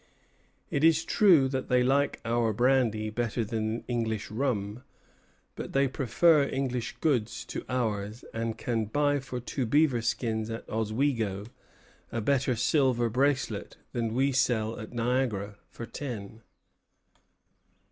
It is true that they like our brandy better than English rum; but they prefer English goods to ours, and can buy for two beaver skins at Oswego a better silver bracelet than we sell at Niagara for ten." Compare Doc. Hist. N.